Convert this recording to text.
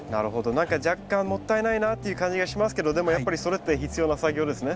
何か若干もったいないなっていう感じがしますけどでもやっぱりそれって必要な作業ですね。